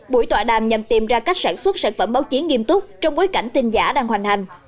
buổi tọa đàm nhằm tìm ra cách sản xuất sản phẩm báo chí nghiêm túc trong bối cảnh tin giả đang hoành hành